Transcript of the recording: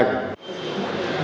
các cấp lưu động